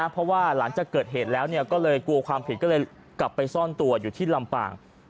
เพราะว่าหลังจากเกิดเหตุแล้วก็เลยกลัวความผิดก็เลยกลับไปซ่อนตัวอยู่ที่ลำปาง